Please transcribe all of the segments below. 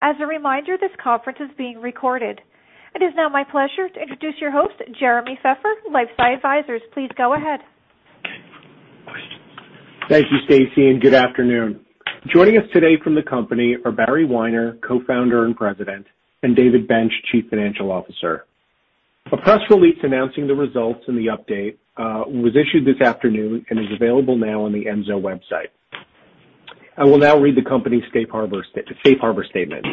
As a reminder, this conference is being recorded. It is now my pleasure to introduce your host, Jeremy Feffer, LifeSci Advisors. Please go ahead. Thank you, Stacy, and good afternoon. Joining us today from the company are Barry Weiner, Co-founder and President, and David Bench, Chief Financial Officer. A press release announcing the results and the update was issued this afternoon and is available now on the Enzo website. I will now read the company's Safe Harbor statement.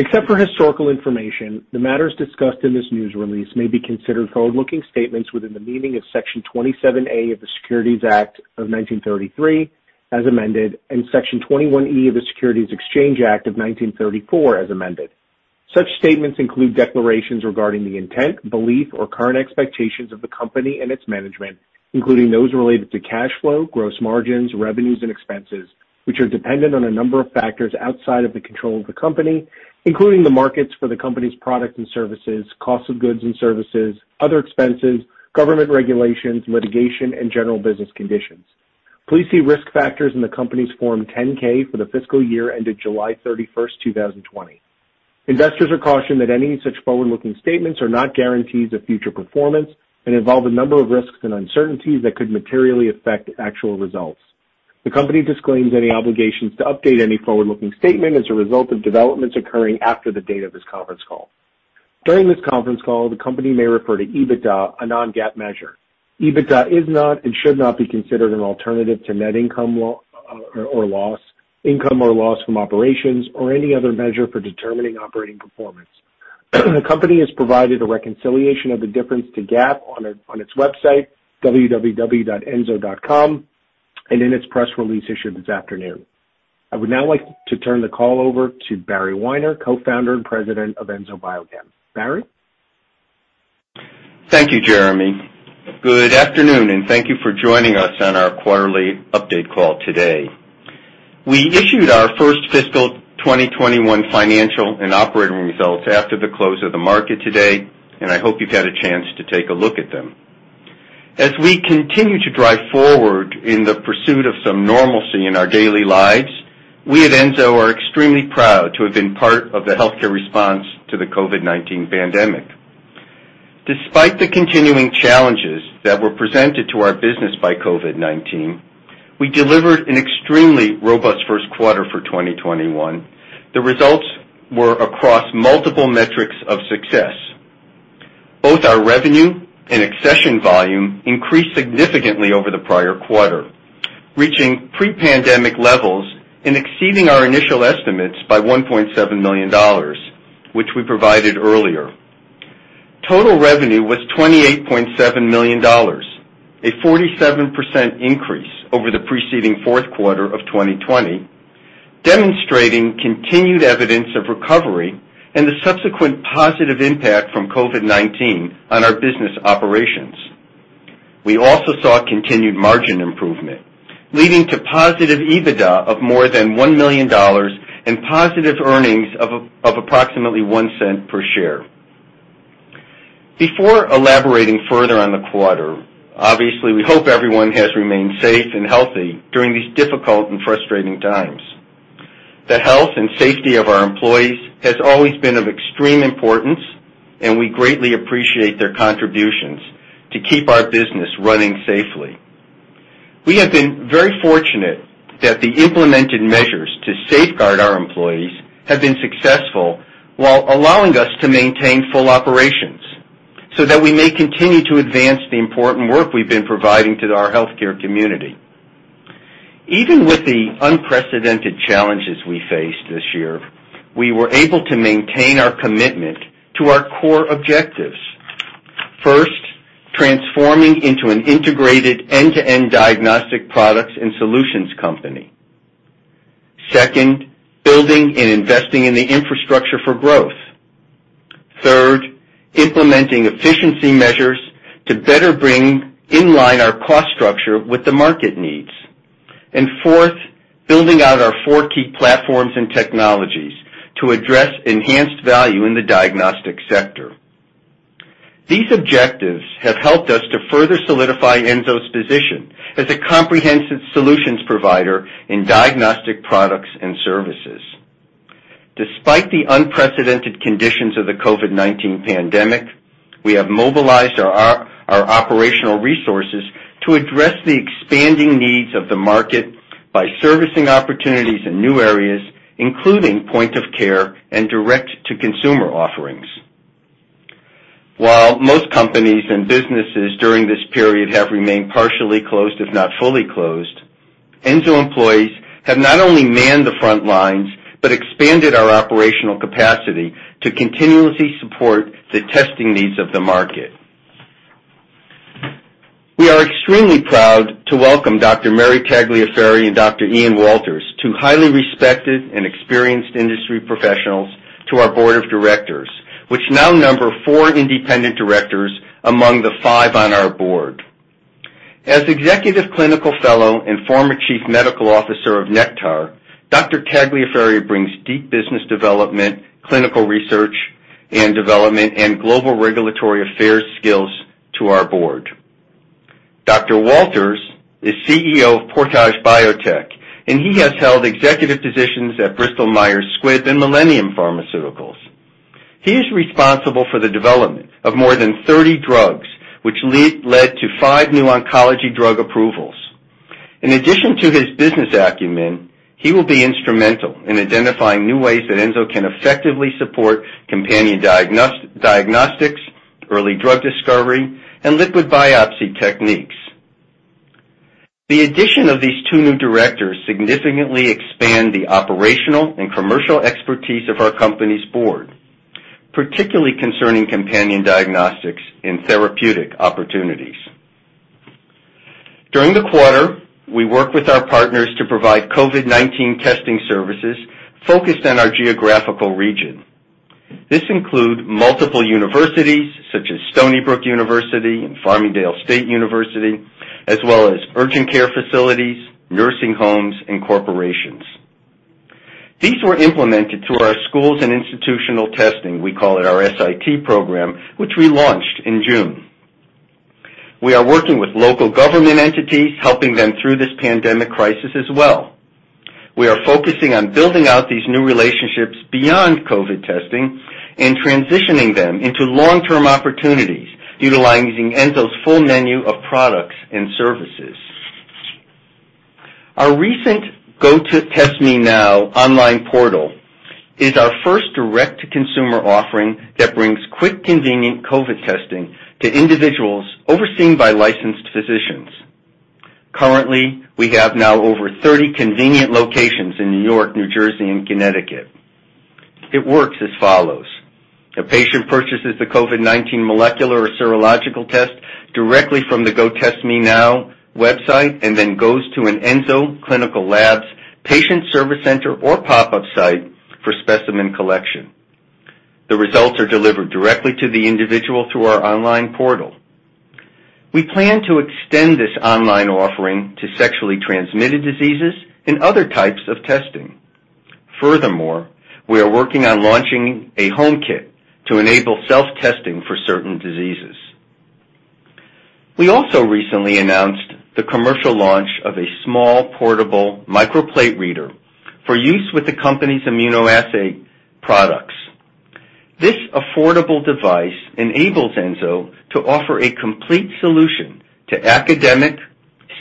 Except for historical information, the matters discussed in this news release may be considered forward-looking statements within the meaning of Section 27A of the Securities Act of 1933 as amended, and Section 21E of the Securities Exchange Act of 1934 as amended. Such statements include declarations regarding the intent, belief, or current expectations of the company and its management, including those related to cash flow, gross margins, revenues, and expenses, which are dependent on a number of factors outside of the control of the company, including the markets for the company's products and services, cost of goods and services, other expenses, government regulations, litigation, and general business conditions. Please see risk factors in the company's Form 10-K for the fiscal year ended July 31st, 2020. Investors are cautioned that any such forward-looking statements are not guarantees of future performance and involve a number of risks and uncertainties that could materially affect actual results. The company disclaims any obligations to update any forward-looking statement as a result of developments occurring after the date of this conference call. During this conference call, the company may refer to EBITDA, a non-GAAP measure. EBITDA is not and should not be considered an alternative to net income or loss, income or loss from operations or any other measure for determining operating performance. The company has provided a reconciliation of the difference to GAAP on its website, www.enzo.com, and in its press release issued this afternoon. I would now like to turn the call over to Barry Weiner, Co-founder and President of Enzo Biochem. Barry? Thank you, Jeremy. Good afternoon, and thank you for joining us on our quarterly update call today. We issued our first fiscal 2021 financial and operating results after the close of the market today. I hope you've had a chance to take a look at them. As we continue to drive forward in the pursuit of some normalcy in our daily lives, we at Enzo are extremely proud to have been part of the healthcare response to the COVID-19 pandemic. Despite the continuing challenges that were presented to our business by COVID-19, we delivered an extremely robust first quarter for 2021. The results were across multiple metrics of success. Both our revenue and accession volume increased significantly over the prior quarter, reaching pre-pandemic levels and exceeding our initial estimates by $1.7 million, which we provided earlier. Total revenue was $28.7 million, a 47% increase over the preceding fourth quarter of 2020, demonstrating continued evidence of recovery and the subsequent positive impact from COVID-19 on our business operations. We also saw continued margin improvement, leading to positive EBITDA of more than $1 million and positive earnings of approximately $0.01 per share. Before elaborating further on the quarter, obviously, we hope everyone has remained safe and healthy during these difficult and frustrating times. The health and safety of our employees has always been of extreme importance, and we greatly appreciate their contributions to keep our business running safely. We have been very fortunate that the implemented measures to safeguard our employees have been successful while allowing us to maintain full operations so that we may continue to advance the important work we've been providing to our healthcare community. Even with the unprecedented challenges we faced this year, we were able to maintain our commitment to our core objectives. First, transforming into an integrated end-to-end diagnostic products and solutions company. Second, building and investing in the infrastructure for growth. Third, implementing efficiency measures to better bring in line our cost structure with the market needs. Fourth, building out our four key platforms and technologies to address enhanced value in the diagnostic sector. These objectives have helped us to further solidify Enzo's position as a comprehensive solutions provider in diagnostic products and services. Despite the unprecedented conditions of the COVID-19 pandemic, we have mobilized our operational resources to address the expanding needs of the market by servicing opportunities in new areas, including point of care and direct-to-consumer offerings. While most companies and businesses during this period have remained partially closed, if not fully closed, Enzo employees have not only manned the front lines but expanded our operational capacity to continuously support the testing needs of the market. We are extremely proud to welcome Dr. Mary Tagliaferri and Dr. Ian Walters, two highly respected and experienced industry professionals to our board of directors, which now number four independent directors among the five on our board. As Executive Clinical Fellow and former Chief Medical Officer of Nektar, Dr. Tagliaferri brings deep business development, clinical research and development, and global regulatory affairs skills to our board. Dr. Walters is CEO of Portage Biotech. He has held executive positions at Bristol Myers Squibb and Millennium Pharmaceuticals. He is responsible for the development of more than 30 drugs, which led to five new oncology drug approvals. In addition to his business acumen, he will be instrumental in identifying new ways that Enzo can effectively support companion diagnostics, early drug discovery, and liquid biopsy techniques. The addition of these two new directors significantly expand the operational and commercial expertise of our company's board, particularly concerning companion diagnostics and therapeutic opportunities. During the quarter, we worked with our partners to provide COVID-19 testing services focused on our geographical region. This include multiple universities, such as Stony Brook University and Farmingdale State University, as well as urgent care facilities, nursing homes, and corporations. These were implemented through our School and Institution Testing program, we call it our SIT program, which we launched in June. We are working with local government entities, helping them through this pandemic crisis as well. We are focusing on building out these new relationships beyond COVID-19 testing and transitioning them into long-term opportunities utilizing Enzo's full menu of products and services. Our recent GoTestMeNow online portal is our first direct-to-consumer offering that brings quick, convenient COVID-19 testing to individuals overseen by licensed physicians. Currently, we have now over 30 convenient locations in New York, New Jersey, and Connecticut. It works as follows: a patient purchases the COVID-19 molecular or serological test directly from the GoTestMeNow website and then goes to an Enzo Clinical Labs patient service center or pop-up site for specimen collection. The results are delivered directly to the individual through our online portal. We plan to extend this online offering to sexually transmitted diseases and other types of testing. Furthermore, we are working on launching a home kit to enable self-testing for certain diseases. We also recently announced the commercial launch of a small, portable microplate reader for use with the company's immunoassay products. This affordable device enables Enzo to offer a complete solution to academic,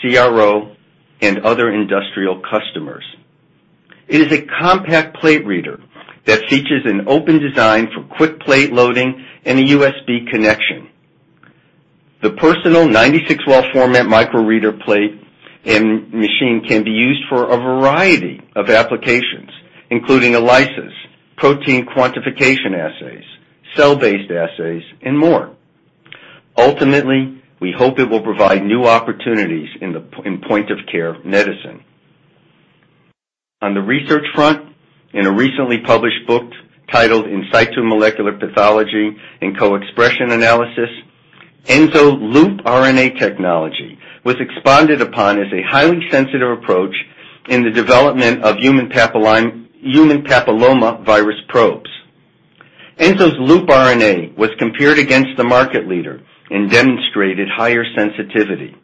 CRO, and other industrial customers. It is a compact plate reader that features an open design for quick plate loading and a USB connection. The personal 96-well format micro reader plate and machine can be used for a variety of applications, including lysis, protein quantification assays, cell-based assays, and more. Ultimately, we hope it will provide new opportunities in point of care medicine. On the research front, in a recently published book titled "In Situ Molecular Pathology and Coexpression Analysis," Enzo LoopRNA technology was expanded upon as a highly sensitive approach in the development of human papillomavirus probes. Enzo's LoopRNA was compared against the market leader and demonstrated higher sensitivity.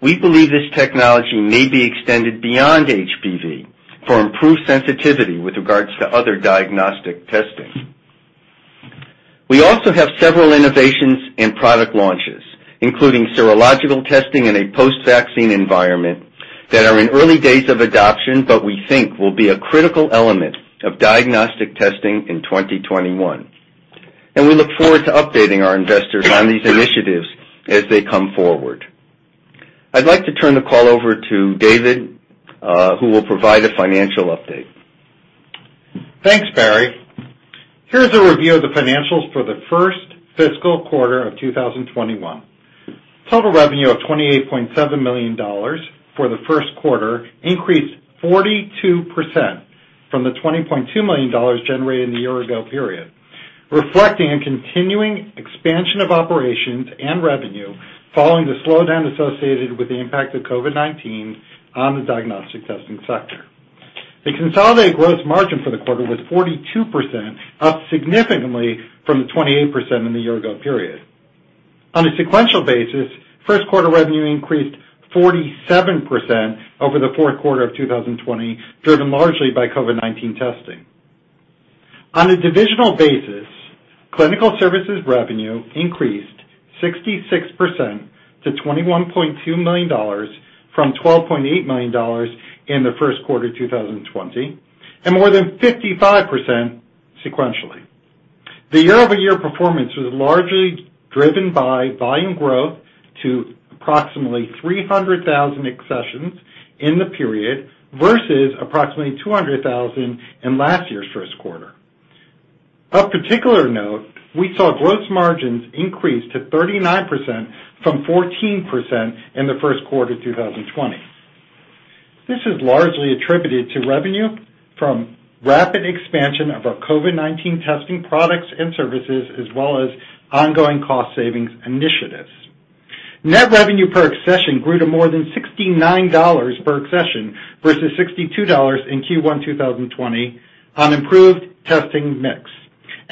We believe this technology may be extended beyond HPV for improved sensitivity with regards to other diagnostic testing. We also have several innovations and product launches, including serological testing in a post-vaccine environment that are in early days of adoption but we think will be a critical element of diagnostic testing in 2021. We look forward to updating our investors on these initiatives as they come forward. I'd like to turn the call over to David, who will provide a financial update. Thanks, Barry. Here's a review of the financials for the first fiscal quarter of 2021. Total revenue of $28.7 million for the first quarter increased 42% from the $20.2 million generated in the year ago period, reflecting a continuing expansion of operations and revenue following the slowdown associated with the impact of COVID-19 on the diagnostic testing sector. The consolidated gross margin for the quarter was 42%, up significantly from the 28% in the year ago period. On a sequential basis, first quarter revenue increased 47% over the fourth quarter of 2020, driven largely by COVID-19 testing. On a divisional basis, clinical services revenue increased 66% to $21.2 million from $12.8 million in the first quarter 2020, and more than 55% sequentially. The year-over-year performance was largely driven by volume growth to approximately 300,000 accessions in the period versus approximately 200,000 in last year's first quarter. Of particular note, we saw gross margins increase to 39% from 14% in the first quarter 2020. This is largely attributed to revenue from rapid expansion of our COVID-19 testing products and services as well as ongoing cost savings initiatives. Net revenue per accession grew to more than $69 per accession versus $62 in Q1 2020 on improved testing mix.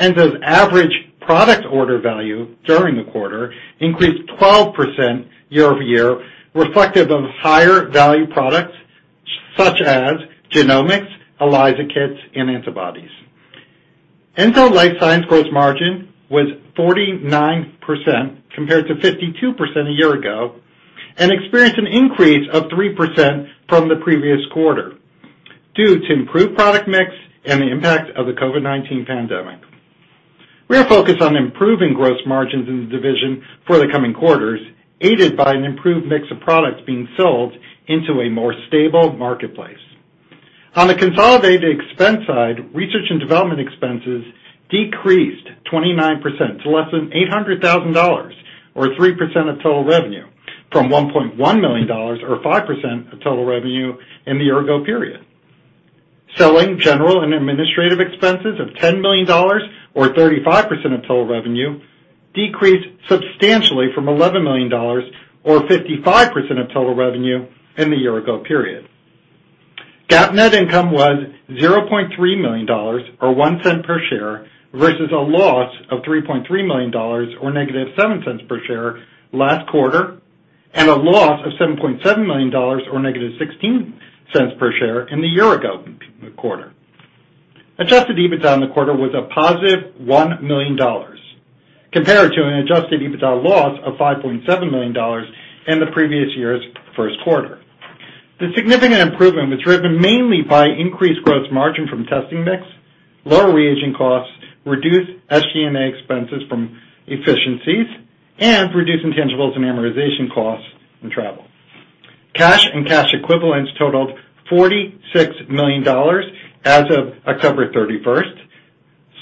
Enzo's average product order value during the quarter increased 12% year-over-year, reflective of higher value products such as genomics, ELISA kits, and antibodies. Enzo Life Sciences gross margin was 49% compared to 52% a year ago, and experienced an increase of 3% from the previous quarter due to improved product mix and the impact of the COVID-19 pandemic. We are focused on improving gross margins in the division for the coming quarters, aided by an improved mix of products being sold into a more stable marketplace. On the consolidated expense side, research and development expenses decreased 29% to less than $800,000, or 3% of total revenue, from $1.1 million or 5% of total revenue in the year ago period. Selling, general, and administrative expenses of $10 million, or 35% of total revenue, decreased substantially from $11 million, or 55% of total revenue in the year ago period. GAAP net income was $0.3 million, or $0.01 per share, versus a loss of $3.3 million, or -$0.07 per share last quarter, and a loss of $7.7 million, or -$0.16 per share in the year ago quarter. Adjusted EBITDA in the quarter was a +$1 million compared to an adjusted EBITDA loss of $5.7 million in the previous year's first quarter. The significant improvement was driven mainly by increased gross margin from testing mix, lower reagent costs, reduced SG&A expenses from efficiencies, and reduced intangibles and amortization costs and travel. Cash and cash equivalents totaled $46 million as of October 31st,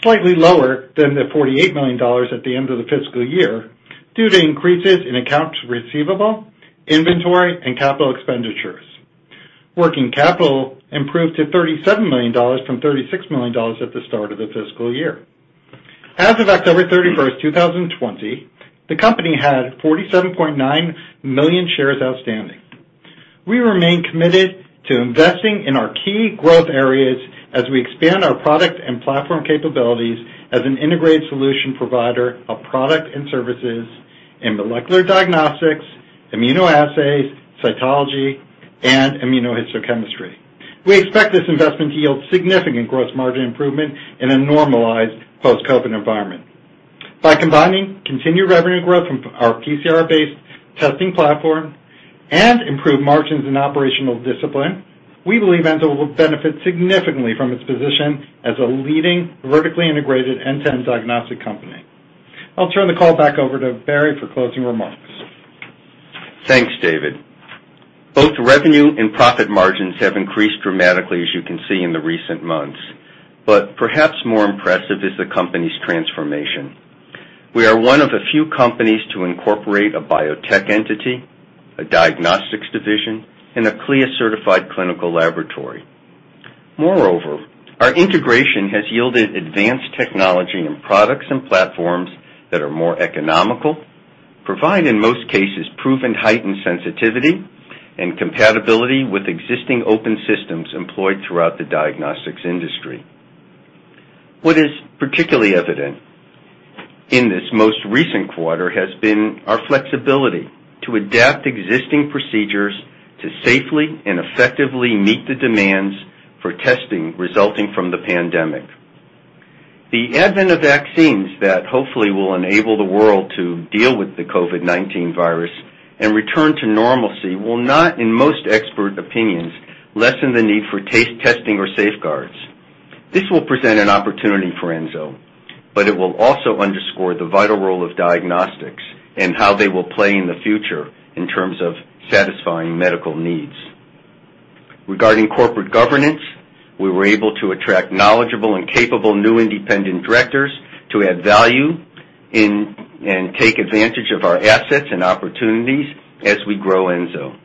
slightly lower than the $48 million at the end of the fiscal year due to increases in accounts receivable, inventory, and capital expenditures. Working capital improved to $37 million from $36 million at the start of the fiscal year. As of October 31st, 2020, the company had 47.9 million shares outstanding. We remain committed to investing in our key growth areas as we expand our product and platform capabilities as an integrated solution provider of product and services in molecular diagnostics, immunoassays, cytology, and immunohistochemistry. We expect this investment to yield significant gross margin improvement in a normalized post-COVID environment. By combining continued revenue growth from our PCR-based testing platform and improved margins and operational discipline, we believe Enzo will benefit significantly from its position as a leading vertically integrated end-to-end diagnostic company. I'll turn the call back over to Barry for closing remarks. Thanks, David. Both revenue and profit margins have increased dramatically, as you can see in the recent months. Perhaps more impressive is the company's transformation. We are one of a few companies to incorporate a biotech entity, a diagnostics division, and a CLIA-certified clinical laboratory. Moreover, our integration has yielded advanced technology and products and platforms that are more economical, provide, in most cases, proven heightened sensitivity, and compatibility with existing open systems employed throughout the diagnostics industry. What is particularly evident in this most recent quarter has been our flexibility to adapt existing procedures to safely and effectively meet the demands for testing resulting from the pandemic. The advent of vaccines that hopefully will enable the world to deal with the COVID-19 virus and return to normalcy will not, in most expert opinions, lessen the need for testing or safeguards. This will present an opportunity for Enzo, but it will also underscore the vital role of diagnostics and how they will play in the future in terms of satisfying medical needs. Regarding corporate governance, we were able to attract knowledgeable and capable new independent directors to add value in and take advantage of our assets and opportunities as we grow Enzo.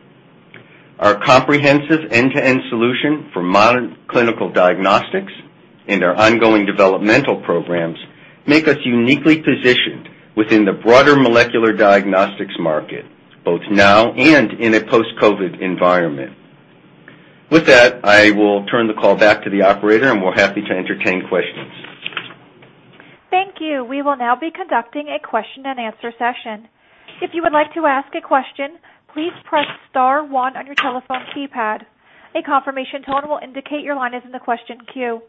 Our comprehensive end-to-end solution for modern clinical diagnostics and our ongoing developmental programs make us uniquely positioned within the broader molecular diagnostics market, both now and in a post-COVID environment. With that, I will turn the call back to the operator, and we're happy to entertain questions. Thank you. We will now be conducting a question-and-answer session. If you would like to ask a question, please press star one on your telephone keypad. A confirmation tone will indicate your line is in the question queue.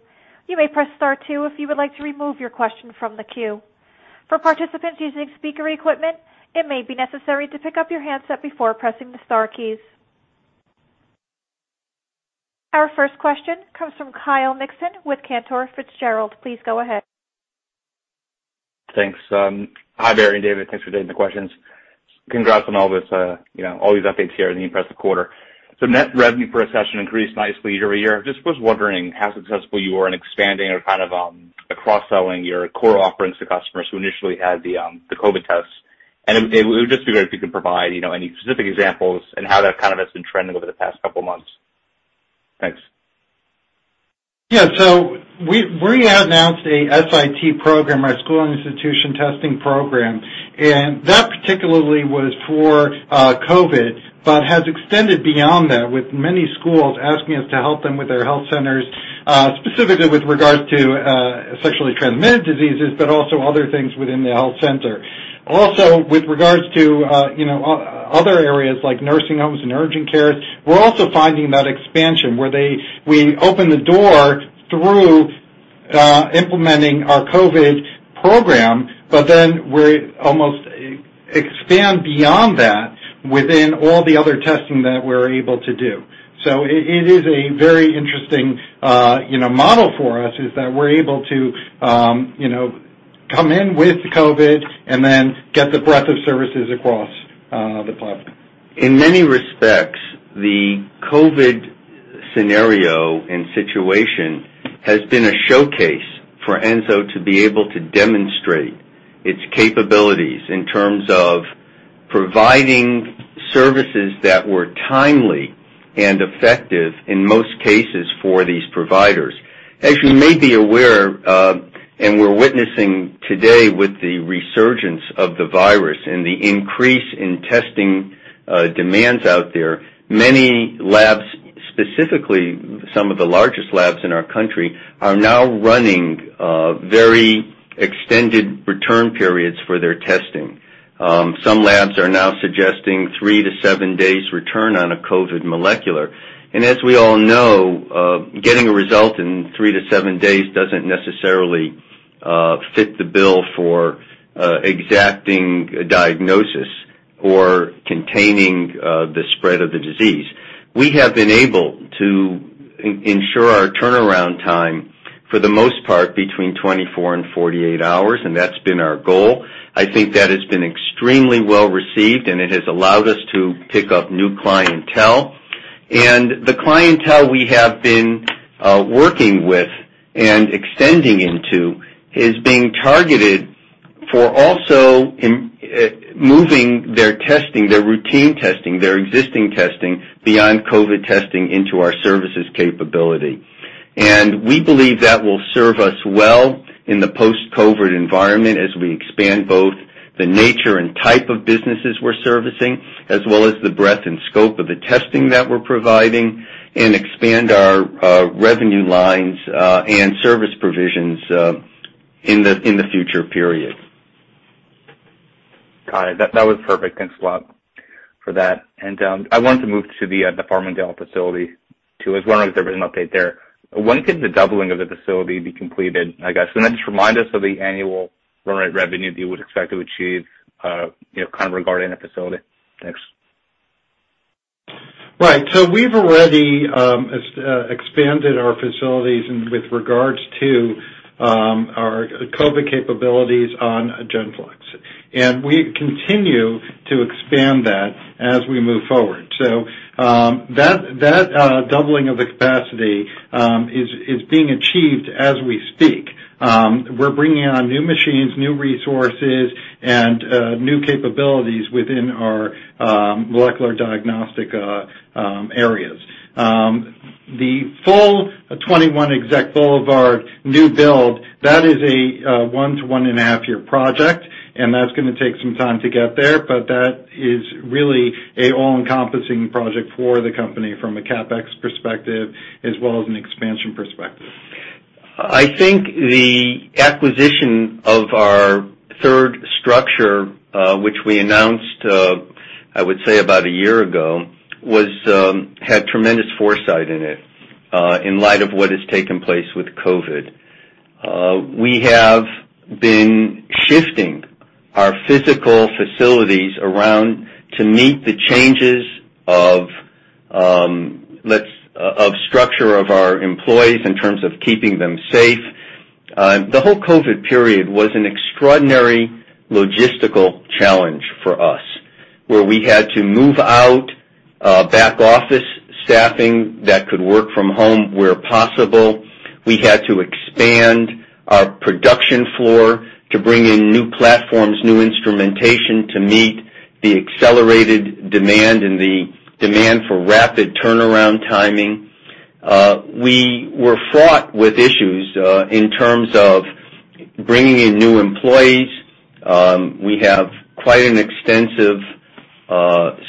You may press star two if you would like to remove your question from the queue. For participants using speaker equipment, it may be necessary to pick up your handset before pressing the star key. Our first question comes from Kyle Nixon with Cantor Fitzgerald. Please go ahead. Thanks. Hi, Barry and David. Thanks for taking the questions. Congrats on all this, all these updates here and the impressive quarter. Net revenue per accession increased nicely year-over-year. Just was wondering how successful you are in expanding or kind of cross-selling your core offerings to customers who initially had the COVID tests. It would just be great if you could provide any specific examples and how that has been trending over the past couple of months. Thanks. We had announced a SIT program, our School and Institution Testing program, and that particularly was for COVID-19, but has extended beyond that, with many schools asking us to help them with their health centers, specifically with regards to sexually transmitted diseases, but also other things within the health center. Also, with regards to other areas like nursing homes and urgent cares, we're also finding that expansion where we open the door through implementing our COVID-19 program, but then we almost expand beyond that within all the other testing that we're able to do. It is a very interesting model for us, is that we're able to come in with COVID-19 and get the breadth of services across the platform. In many respects, the COVID-19 scenario and situation has been a showcase for Enzo to be able to demonstrate its capabilities in terms of providing services that were timely and effective in most cases for these providers. As you may be aware, and we're witnessing today with the resurgence of the virus and the increase in testing demands out there, many labs, specifically some of the largest labs in our country, are now running very extended return periods for their testing. Some labs are now suggesting 3-7 days return on a COVID-19 molecular. As we all know, getting a result in 3-7 days doesn't necessarily fit the bill for exacting a diagnosis or containing the spread of the disease. We have been able to ensure our turnaround time, for the most part, between 24 and 48 hours, and that's been our goal. I think that has been extremely well-received, and it has allowed us to pick up new clientele. The clientele we have been working with and extending into is being targeted for also moving their routine testing, their existing testing beyond COVID testing into our services capability. We believe that will serve us well in the post-COVID environment as we expand both the nature and type of businesses we're servicing, as well as the breadth and scope of the testing that we're providing, and expand our revenue lines and service provisions in the future periods. Got it. That was perfect. Thanks a lot for that. I wanted to move to the Farmingdale facility, too, I was wondering if there was an update there. When could the doubling of the facility be completed, I guess? Just remind us of the annual run rate revenue that you would expect to achieve regarding the facility. Thanks. Right. We've already expanded our facilities with regards to our COVID capabilities on GENFLEX. We continue to expand that as we move forward. That doubling of the capacity is being achieved as we speak. We're bringing on new machines, new resources, and new capabilities within our molecular diagnostic areas. The full 21 Exec Boulevard new build, that is a 1-1.5year project, and that's going to take some time to get there, but that is really an all-encompassing project for the company from a CapEx perspective as well as an expansion perspective. I think the acquisition of our third structure, which we announced, I would say about a year ago, had tremendous foresight in it in light of what has taken place with COVID. We have been shifting our physical facilities around to meet the changes of structure of our employees in terms of keeping them safe. The whole COVID period was an extraordinary logistical challenge for us, where we had to move out back office staffing that could work from home where possible. We had to expand our production floor to bring in new platforms, new instrumentation to meet the accelerated demand and the demand for rapid turnaround timing. We were fraught with issues in terms of bringing in new employees. We have quite an extensive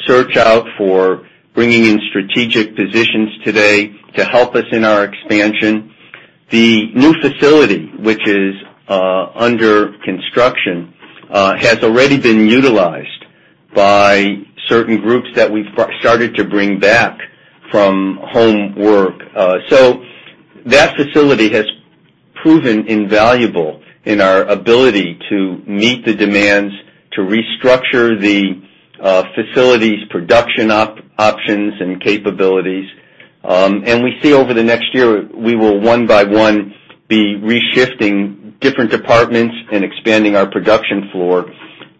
search out for bringing in strategic positions today to help us in our expansion. The new facility, which is under construction, has already been utilized by certain groups that we've started to bring back from home work. That facility has proven invaluable in our ability to meet the demands, to restructure the facility's production options and capabilities. We see over the next year, we will one-by-one be re-shifting different departments and expanding our production floor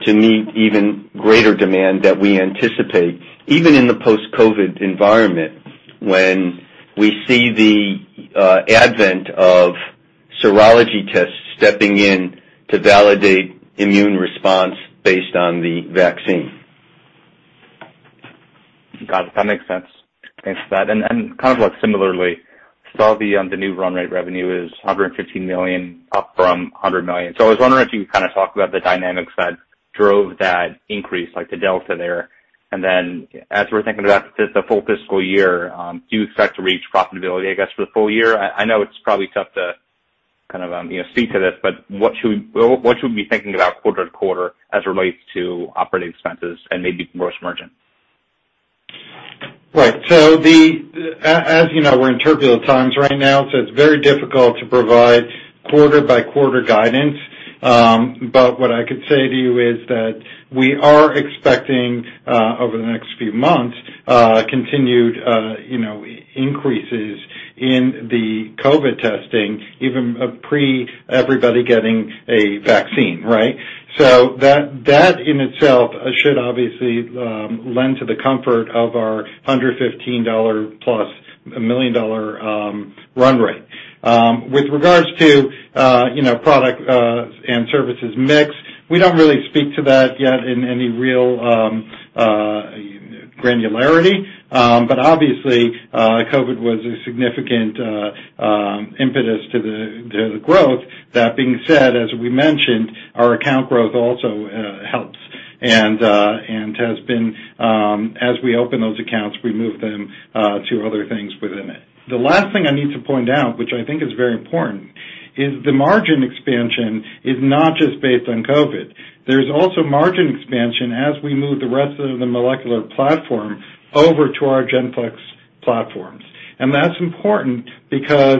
to meet even greater demand that we anticipate, even in the post-COVID environment, when we see the advent of serology tests stepping in to validate immune response based on the vaccine. Got it. That makes sense. Thanks for that. Similarly, I saw the new run rate revenue is $115 million, up from $100 million. I was wondering if you could talk about the dynamics that drove that increase, like the delta there. Then as we're thinking about the full fiscal year, do you expect to reach profitability, I guess, for the full year? I know it's probably tough to kind of speak to this, but what should we be thinking about quarter to quarter as it relates to operating expenses and maybe gross margin? Right. As you know, we're in turbulent times right now, it's very difficult to provide quarter-by-quarter guidance. What I could say to you is that we are expecting, over the next few months, continued increases in the COVID testing, even pre everybody getting a vaccine, right? That in itself should obviously lend to the comfort of our $115 million+ run-rate. With regards to product and services mix, we don't really speak to that yet in any real granularity. Obviously, COVID was a significant impetus to the growth. That being said, as we mentioned, our account growth also helps and has been, as we open those accounts, we move them to other things within it. The last thing I need to point out, which I think is very important, is the margin expansion is not just based on COVID. There's also margin expansion as we move the rest of the molecular platform over to our GENFLEX platforms. That's important because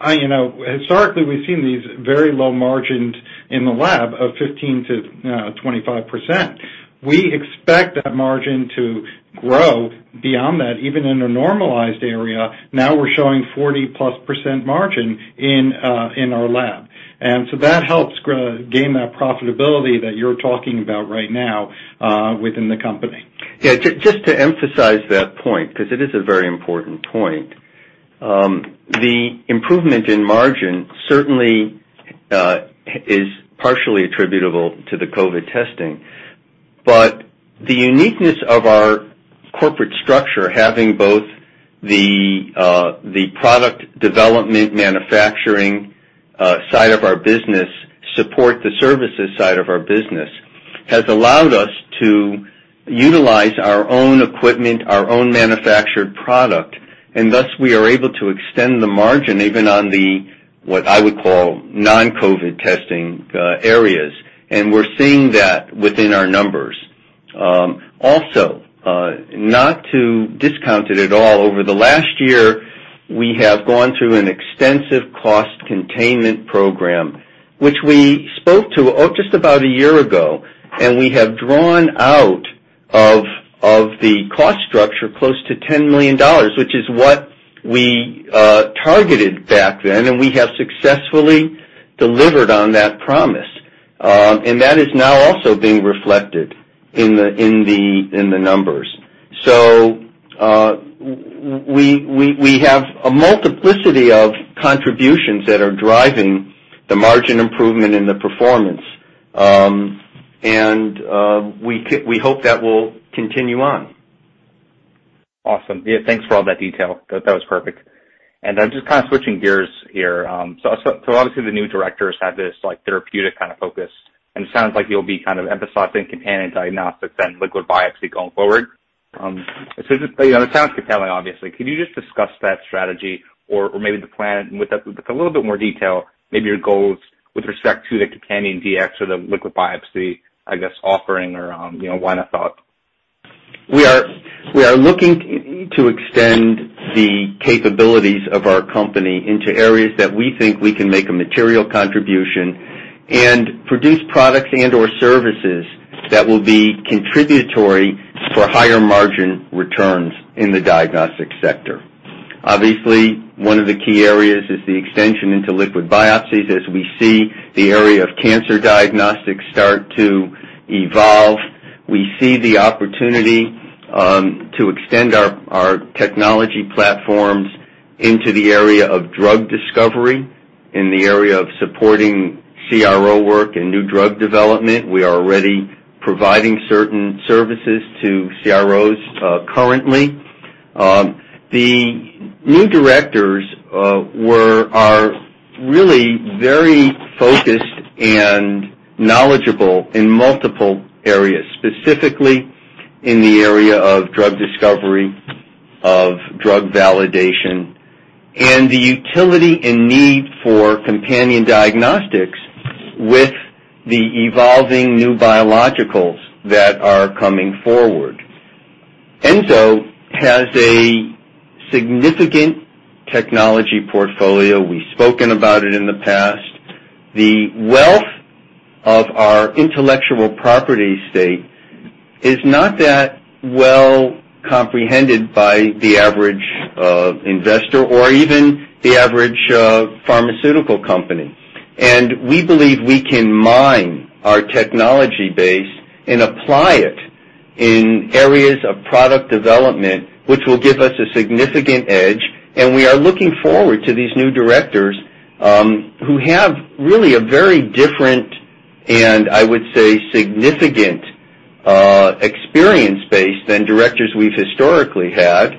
historically, we've seen these very low margins in the lab of 15%-25%. We expect that margin to grow beyond that, even in a normalized area. Now we're showing 40%+ margin in our lab. That helps gain that profitability that you're talking about right now within the company. Yeah, just to emphasize that point, because it is a very important point. The improvement in margin certainly is partially attributable to the COVID testing. The uniqueness of our corporate structure, having both the product development manufacturing side of our business support the services side of our business, has allowed us to utilize our own equipment, our own manufactured product, and thus we are able to extend the margin even on the, what I would call, non-COVID testing areas. We're seeing that within our numbers. Not to discount it at all, over the last year, we have gone through an extensive cost containment program, which we spoke to just about a year ago, and we have drawn out of the cost structure close to $10 million, which is what we targeted back then, and we have successfully delivered on that promise. That is now also being reflected in the numbers. We have a multiplicity of contributions that are driving the margin improvement and the performance. We hope that will continue on. Awesome. Yeah, thanks for all that detail. That was perfect. I'm just kind of switching gears here. Obviously, the new directors have this therapeutic kind of focus, and it sounds like you'll be kind of emphasizing companion diagnostics and liquid biopsy going forward. It sounds compelling, obviously. Can you just discuss that strategy or maybe the plan with a little bit more detail, maybe your goals with respect to the companion DX or the liquid biopsy, I guess, offering or line of thought? We are looking to extend the capabilities of our company into areas that we think we can make a material contribution and produce products and/or services that will be contributory for higher margin returns in the diagnostic sector. Obviously, one of the key areas is the extension into liquid biopsies. As we see the area of cancer diagnostics start to evolve, we see the opportunity to extend our technology platforms into the area of drug discovery, in the area of supporting CRO work and new drug development. We are already providing certain services to CROs currently. The new directors are really very focused and knowledgeable in multiple areas, specifically in the area of drug discovery, of drug validation, and the utility and need for companion diagnostics with the evolving new biologicals that are coming forward. Enzo has a significant technology portfolio. We've spoken about it in the past. The wealth of our intellectual property estate is not that well comprehended by the average investor or even the average pharmaceutical company. We believe we can mine our technology base and apply it in areas of product development, which will give us a significant edge. We are looking forward to these new directors who have really a very different, and I would say, significant experience base than directors we've historically had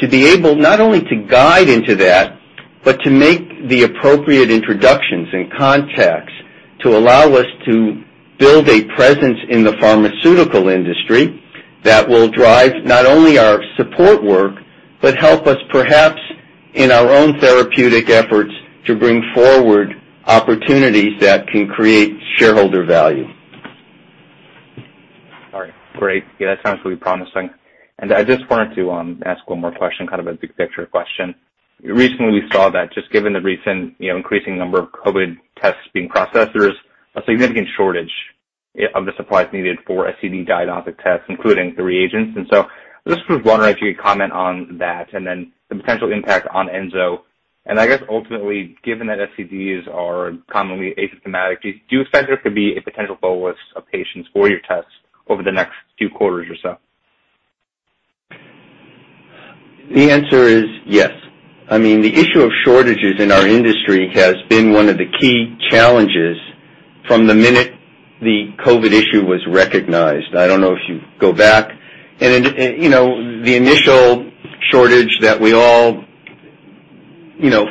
to be able not only to guide into that, but to make the appropriate introductions and contacts to allow us to build a presence in the pharmaceutical industry. That will drive not only our support work, but help us perhaps in our own therapeutic efforts to bring forward opportunities that can create shareholder value. All right, great. Yeah, that sounds really promising. I just wanted to ask one more question, kind of a big picture question. Recently, we saw that just given the recent increasing number of COVID-19 tests being processed, there's a significant shortage of the supplies needed for STD diagnostic tests, including the reagents. I just was wondering if you could comment on that and then the potential impact on Enzo. I guess ultimately, given that STDs are commonly asymptomatic, do you expect there to be a potential pool of patients for your tests over the next few quarters or so? The answer is yes. I mean, the issue of shortages in our industry has been one of the key challenges from the minute the COVID-19 issue was recognized. I don't know if you go back, and the initial shortage that we all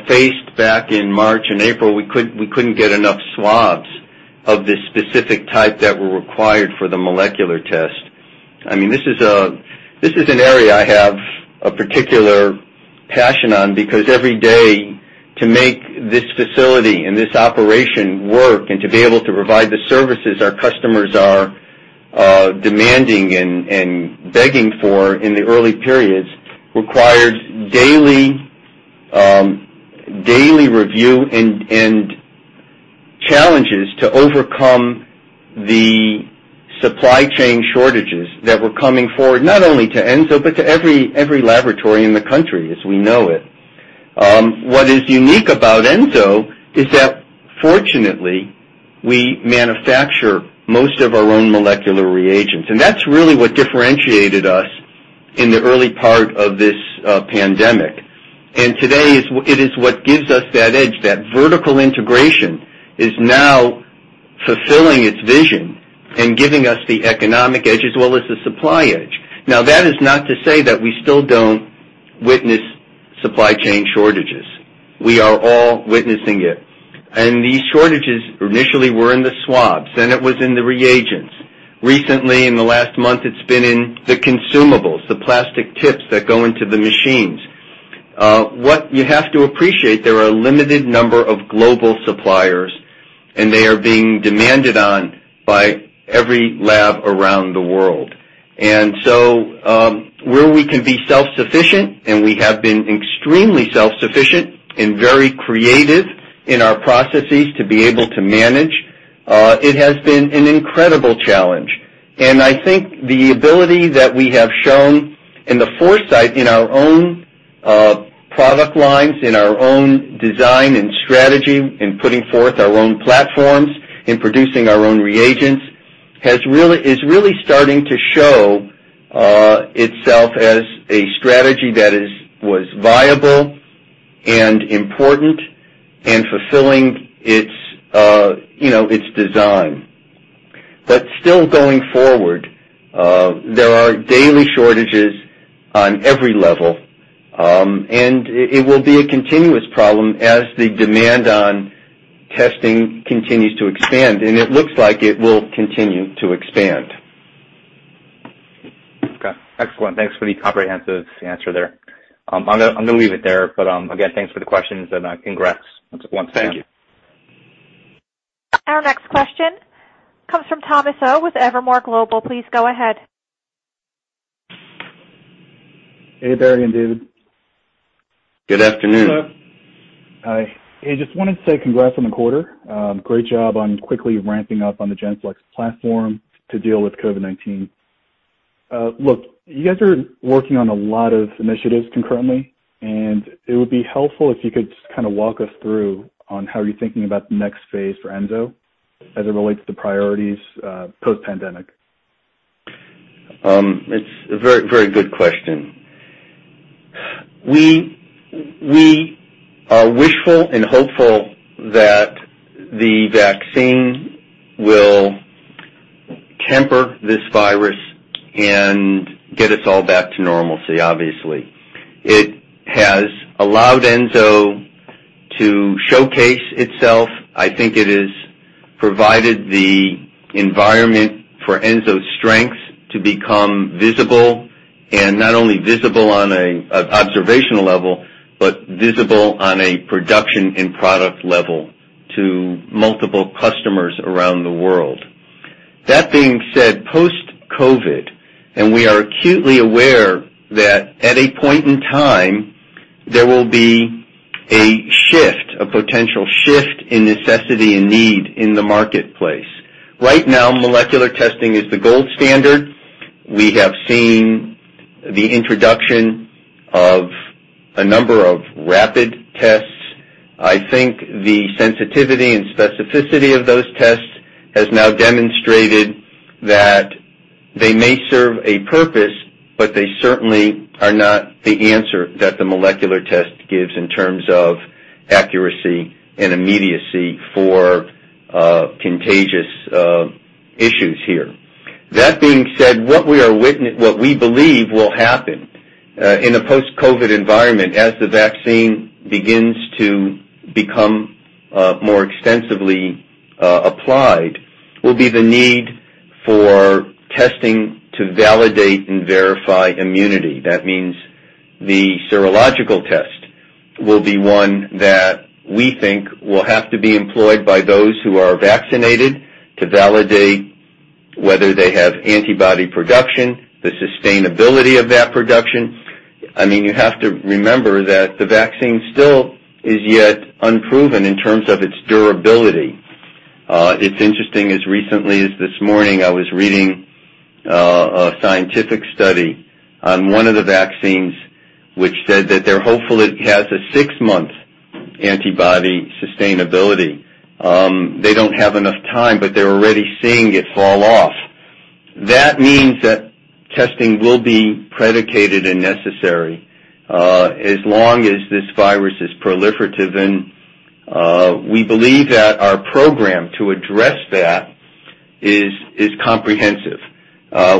faced back in March and April, we couldn't get enough swabs of the specific type that were required for the molecular test. This is an area I have a particular passion on because every day to make this facility and this operation work and to be able to provide the services our customers are demanding and begging for in the early periods required daily review and challenges to overcome the supply chain shortages that were coming forward, not only to Enzo, but to every laboratory in the country as we know it. What is unique about Enzo is that fortunately, we manufacture most of our own molecular reagents, and that's really what differentiated us in the early part of this pandemic. Today it is what gives us that edge. That vertical integration is now fulfilling its vision and giving us the economic edge as well as the supply edge. Now, that is not to say that we still don't witness supply chain shortages. We are all witnessing it. These shortages initially were in the swabs, then it was in the reagents. Recently, in the last month, it's been in the consumables, the plastic tips that go into the machines. What you have to appreciate, there are a limited number of global suppliers, and they are being demanded on by every lab around the world. Where we can be self-sufficient, and we have been extremely self-sufficient and very creative in our processes to be able to manage, it has been an incredible challenge. I think the ability that we have shown and the foresight in our own product lines, in our own design and strategy in putting forth our own platforms, in producing our own reagents, is really starting to show itself as a strategy that was viable and important and fulfilling its design. Still going forward, there are daily shortages on every level, and it will be a continuous problem as the demand on testing continues to expand, and it looks like it will continue to expand. Okay. Excellent. Thanks for the comprehensive answer there. I'm going to leave it there, but, again, thanks for the questions and congrats once again. Thank you. Our next question comes from Thomas O with Evermore Global. Please go ahead. Hey there, Barry, David. Good afternoon. Hi. Hey, just wanted to say congrats on the quarter. Great job on quickly ramping up on the GENFLEX platform to deal with COVID-19. Look, you guys are working on a lot of initiatives concurrently. It would be helpful if you could just kind of walk us through on how you're thinking about the next phase for Enzo as it relates to priorities post-pandemic. It's a very good question. We are wishful and hopeful that the vaccine will temper this virus and get us all back to normalcy, obviously. It has allowed Enzo to showcase itself. I think it has provided the environment for Enzo's strengths to become visible, and not only visible on an observational level, but visible on a production and product level to multiple customers around the world. That being said, post-COVID, we are acutely aware that at a point in time, there will be a potential shift in necessity and need in the marketplace. Right now, molecular testing is the gold standard. We have seen the introduction of a number of rapid tests. I think the sensitivity and specificity of those tests has now demonstrated that they may serve a purpose, but they certainly are not the answer that the molecular test gives in terms of accuracy and immediacy for contagious issues here. That being said, what we believe will happen in a post-COVID environment, as the vaccine begins to become more extensively applied, will be the need for testing to validate and verify immunity. That means the serological test will be one that we think will have to be employed by those who are vaccinated to validate whether they have antibody production, the sustainability of that production. You have to remember that the vaccine still is yet unproven in terms of its durability. It's interesting, as recently as this morning, I was reading a scientific study on one of the vaccines which said that they're hopeful it has a six-month antibody sustainability. They don't have enough time, but they're already seeing it fall off. That means that testing will be predicated and necessary as long as this virus is proliferative. We believe that our program to address that is comprehensive.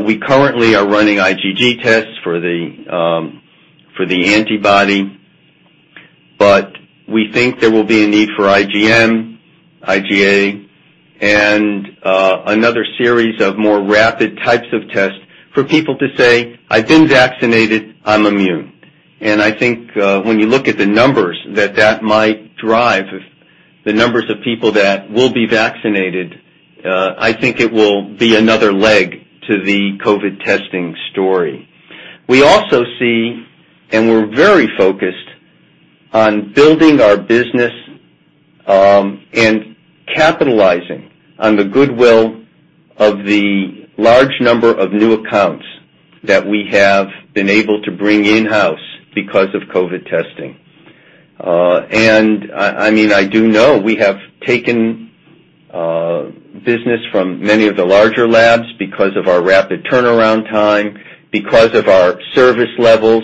We currently are running IgG tests for the antibody, but we think there will be a need for IgM, IgA, and another series of more rapid types of tests for people to say, "I've been vaccinated, I'm immune." I think when you look at the numbers that that might drive, the numbers of people that will be vaccinated, I think it will be another leg to the COVID testing story. We also see, and we're very focused on building our business and capitalizing on the goodwill of the large number of new accounts that we have been able to bring in-house because of COVID testing. I do know we have taken business from many of the larger labs because of our rapid turnaround time, because of our service levels.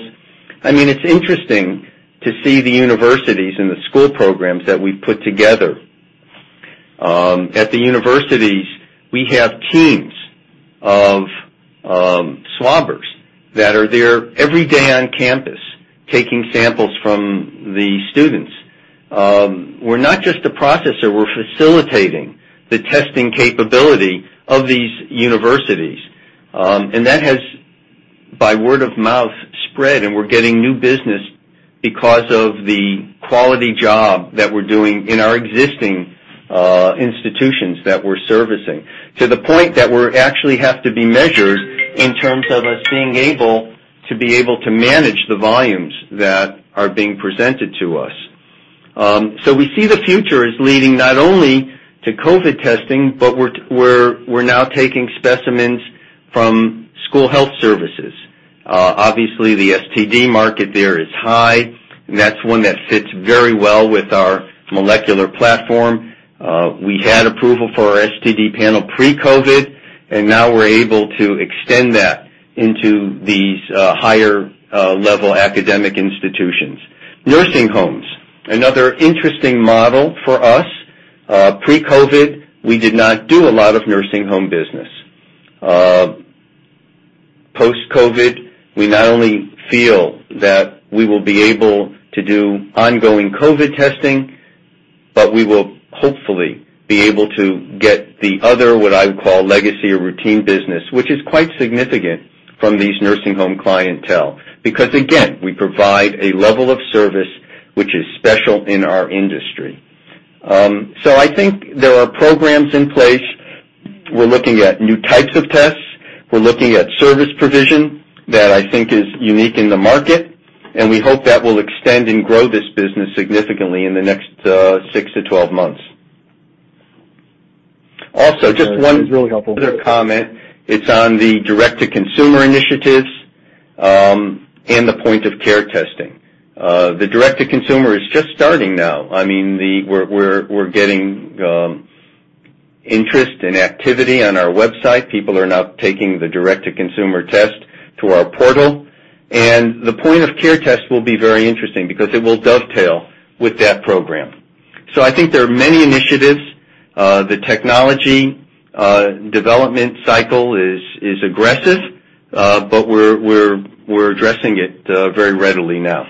It's interesting to see the universities and the school programs that we've put together. At the universities, we have teams of swabbers that are there every day on campus, taking samples from the students. We're not just a processor, we're facilitating the testing capability of these universities. That has, by word of mouth, spread, and we're getting new business because of the quality job that we're doing in our existing institutions that we're servicing, to the point that we actually have to be measured in terms of us being able to manage the volumes that are being presented to us. We see the future as leading not only to COVID testing, but we're now taking specimens from school health services. Obviously, the STD market there is high, and that's one that fits very well with our molecular platform. We had approval for our STD panel pre-COVID, and now we're able to extend that into these higher-level academic institutions. Nursing homes, another interesting model for us. Pre-COVID, we did not do a lot of nursing home business. Post-COVID, we not only feel that we will be able to do ongoing COVID testing, but we will hopefully be able to get the other, what I would call legacy or routine business, which is quite significant from these nursing home clientele. Again, we provide a level of service which is special in our industry. I think there are programs in place. We're looking at new types of tests. We're looking at service provision that I think is unique in the market, and we hope that will extend and grow this business significantly in the next six to 12 months. That's really helpful. Other comment. It's on the direct-to-consumer initiatives and the point of care testing. The direct-to-consumer is just starting now. We're getting interest and activity on our website. People are now taking the direct-to-consumer test to our portal, and the point of care test will be very interesting because it will dovetail with that program. I think there are many initiatives. The technology development cycle is aggressive, but we're addressing it very readily now.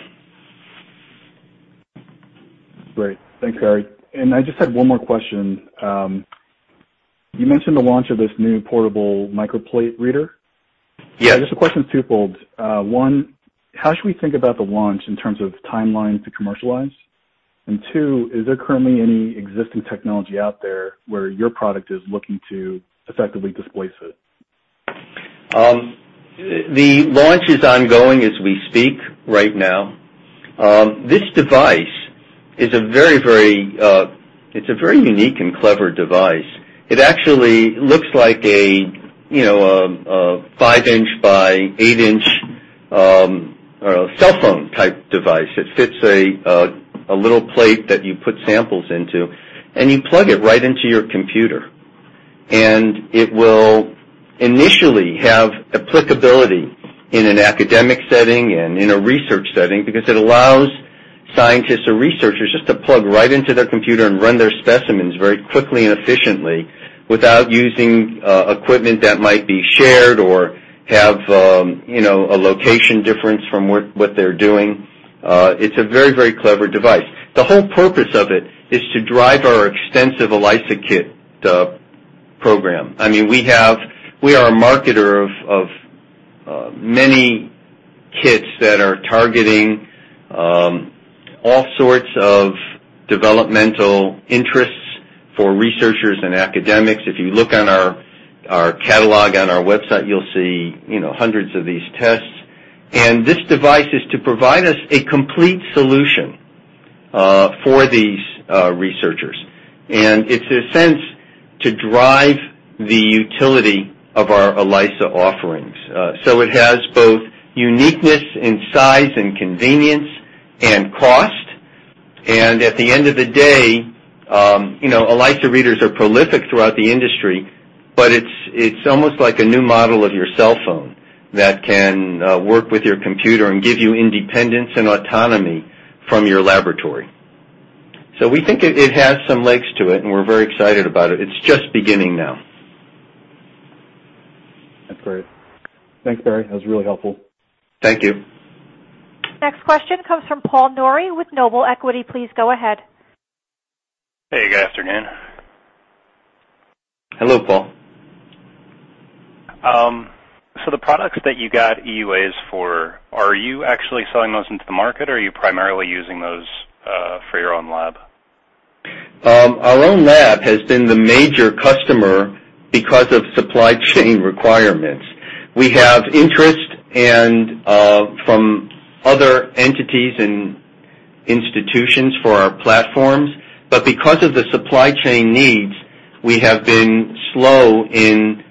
Great. Thanks, Barry. I just had one more question. You mentioned the launch of this new portable microplate reader. Yes. Just a question twofold. One, how should we think about the launch in terms of timeline to commercialize? Two, is there currently any existing technology out there where your product is looking to effectively displace it? The launch is ongoing as we speak right now. This device, it's a very unique and clever device. It actually looks like a five-inch by eight-inch cellphone-type device. It fits a little plate that you put samples into. You plug it right into your computer. It will initially have applicability in an academic setting and in a research setting because it allows scientists or researchers just to plug right into their computer and run their specimens very quickly and efficiently without using equipment that might be shared or have a location difference from what they're doing. It's a very, very clever device. The whole purpose of it is to drive our extensive ELISA kit program. We are a marketer of many kits that are targeting all sorts of developmental interests for researchers and academics. If you look on our catalog on our website, you'll see hundreds of these tests. This device is to provide us a complete solution for these researchers. It's, in a sense, to drive the utility of our ELISA offerings. It has both uniqueness in size and convenience and cost. At the end of the day, ELISA readers are prolific throughout the industry, but it's almost like a new model of your cell phone that can work with your computer and give you independence and autonomy from your laboratory. We think it has some legs to it, and we're very excited about it. It's just beginning now. That's great. Thanks, Barry. That was really helpful. Thank you. Next question comes from Paul Nouri with Noble Equity. Please go ahead. Hey, good afternoon. Hello, Paul. The products that you got EUAs for, are you actually selling those into the market, or are you primarily using those for your own lab? Our own lab has been the major customer because of supply chain requirements. We have interest from other entities and institutions for our platforms. Because of the supply chain needs, we have been slow in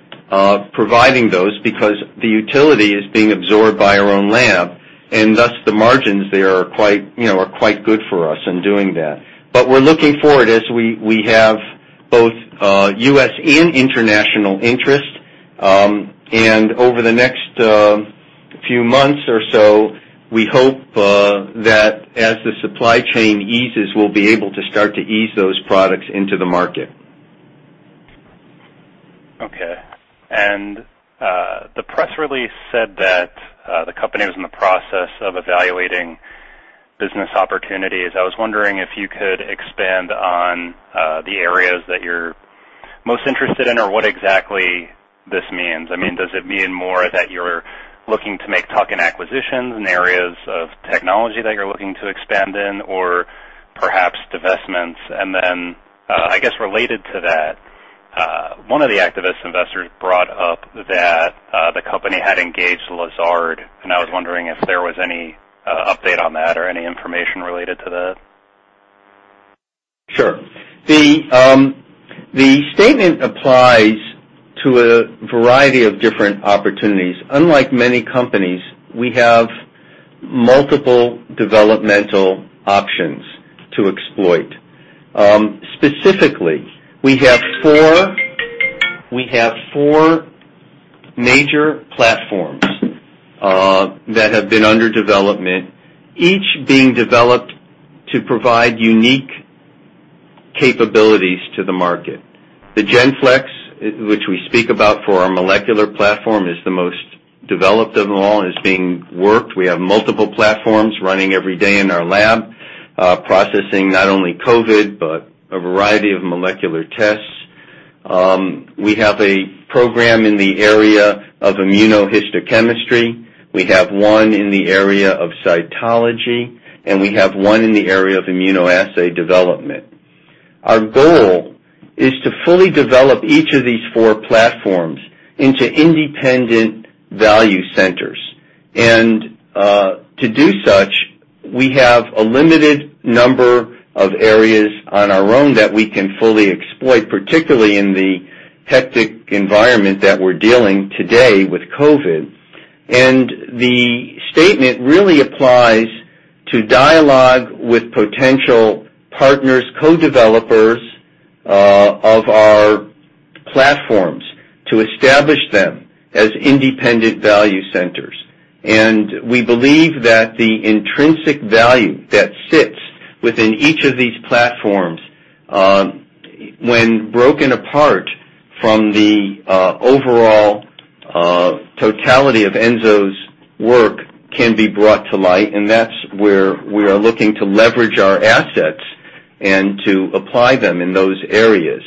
providing those because the utility is being absorbed by our own lab, and thus the margins there are quite good for us in doing that. We're looking forward as we have both U.S. and international interest. Over the next few months or so, we hope that as the supply chain eases, we'll be able to start to ease those products into the market. Okay. The press release said that the company was in the process of evaluating business opportunities. I was wondering if you could expand on the areas that you're most interested in or what exactly this means. Does it mean more that you're looking to make tuck-in acquisitions in areas of technology that you're looking to expand in, or perhaps divestments? I guess related to that, one of the activist investors brought up that the company had engaged Lazard, and I was wondering if there was any update on that or any information related to that. Sure. The statement applies to a variety of different opportunities. Unlike many companies, we have multiple developmental options to exploit. Specifically, we have four major platforms that have been under development, each being developed to provide unique capabilities to the market. The GENFLEX, which we speak about for our molecular platform, is the most developed of them all and is being worked. We have multiple platforms running every day in our lab, processing not only COVID-19, but a variety of molecular tests. We have a program in the area of immunohistochemistry. We have one in the area of cytology, and we have one in the area of immunoassay development. Our goal is to fully develop each of these four platforms into independent value centers. To do such, we have a limited number of areas on our own that we can fully exploit, particularly in the hectic environment that we're dealing today with COVID. The statement really applies to dialogue with potential partners, co-developers of our platforms to establish them as independent value centers. We believe that the intrinsic value that sits within each of these platforms, when broken apart from the overall totality of Enzo's work, can be brought to light, and that's where we are looking to leverage our assets and to apply them in those areas.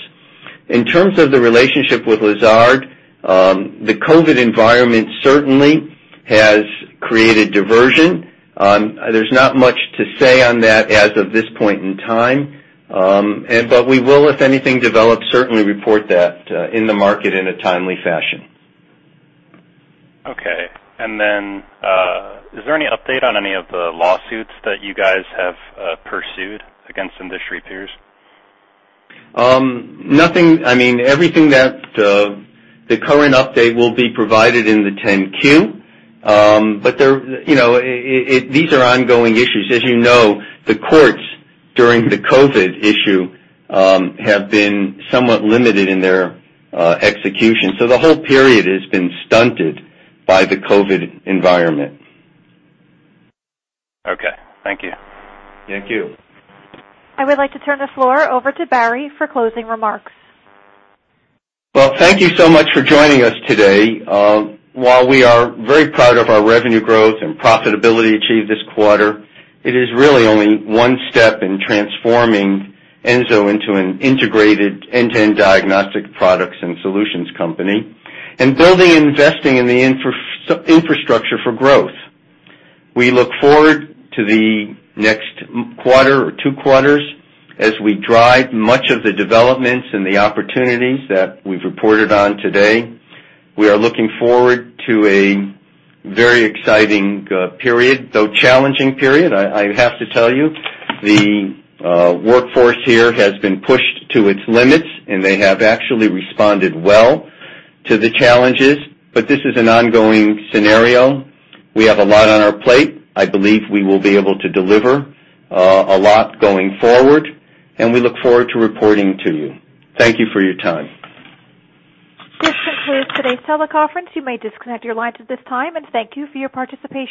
In terms of the relationship with Lazard, the COVID environment certainly has created diversion. There's not much to say on that as of this point in time. We will, if anything develops, certainly report that in the market in a timely fashion. Okay. Is there any update on any of the lawsuits that you guys have pursued against industry peers? Nothing. The current update will be provided in the 10-Q. These are ongoing issues. As you know, the courts during the COVID issue have been somewhat limited in their execution. The whole period has been stunted by the COVID environment. Okay. Thank you. Thank you. I would like to turn the floor over to Barry for closing remarks. Well, thank you so much for joining us today. While we are very proud of our revenue growth and profitability achieved this quarter, it is really only one step in transforming Enzo into an integrated end-to-end diagnostic products and solutions company and building and investing in the infrastructure for growth. We look forward to the next quarter or two quarters as we drive much of the developments and the opportunities that we've reported on today. We are looking forward to a very exciting period, though challenging period, I have to tell you. The workforce here has been pushed to its limits, and they have actually responded well to the challenges, but this is an ongoing scenario. We have a lot on our plate. I believe we will be able to deliver a lot going forward, and we look forward to reporting to you. Thank you for your time. This concludes today's teleconference. You may disconnect your lines at this time, and thank you for your participation.